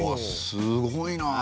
すごいなあ。